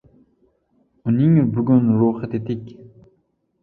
Uning bugun ruhi tetik.